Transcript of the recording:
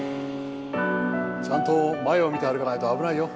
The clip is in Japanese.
ちゃんと前を見て歩かないと危ないよ